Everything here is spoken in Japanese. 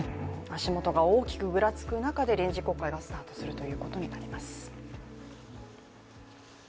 足元が大きくぐらつく中で臨時国会がスタートすることになります。